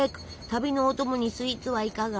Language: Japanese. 旅のお供にスイーツはいかが？